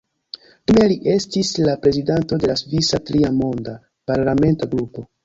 Dume li estis la prezidanto de la “svisa-Tria Monda” parlamenta grupo.